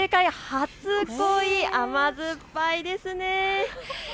初恋、甘酸っぱいですね。